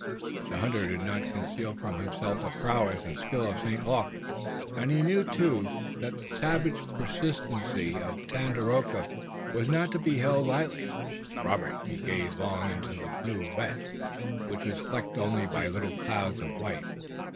The hunter did not conceal from himself the prowess and skill of St. Luc and he knew too, that the savage persistency of Tandakora was not to be held lightly. Like Robert he gazed long into the blue west, which was flecked only by little clouds of white.